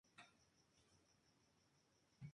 Aun así, fue vista como una traidora por ambos.